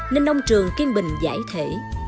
nên nông trường kiên bình giải thể